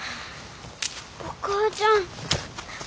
お母ちゃん。